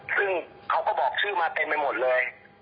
ซึ่งเขาก็บอกชื่อมาเต็มไปหมดเลย